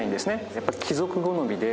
やっぱり貴族好みで。